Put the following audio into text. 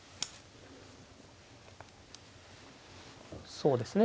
そうですね。